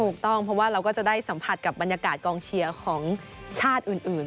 ถูกต้องเพราะว่าเราก็จะได้สัมผัสกับบรรยากาศกองเชียร์ของชาติอื่น